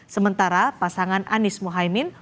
sementara pasangan anies mohaimin